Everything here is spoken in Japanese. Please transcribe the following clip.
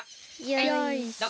よいしょ。